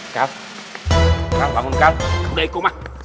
kau kau bangun kau udah ikut mah